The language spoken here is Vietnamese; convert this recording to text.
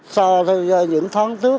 so với những tháng trước